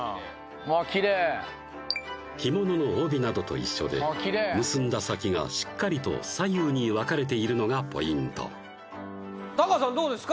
きれい着物の帯などと一緒で結んだ先がしっかりと左右に分かれているのがポイントタカさんどうですか？